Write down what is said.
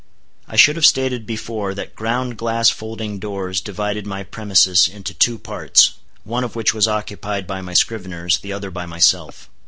I should have stated before that ground glass folding doors divided my premises into two parts, one of which was occupied by my scriveners, the other by myself.